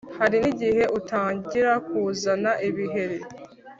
Hari nigihe utangira kuzana ibiheri